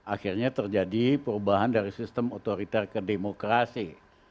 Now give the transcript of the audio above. akhirnya terjadi perubahan dari sistem otoriter ke demokrasi